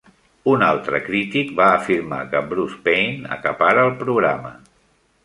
Un altre crític va afirmar que Bruce Payne "acapara el programa".